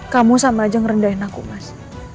kamu sama aja ngerendahin aku mas